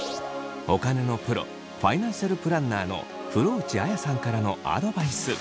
お金のプロファイナンシャルプランナーの風呂内亜矢さんからのアドバイス。